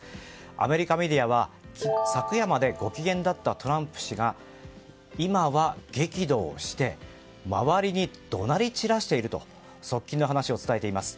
アメリカメディアは昨夜までご機嫌だったトランプ氏が今は激怒をして、周りに怒鳴り散らしていると側近の話を伝えています。